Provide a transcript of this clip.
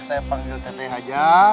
saya panggil teteh aja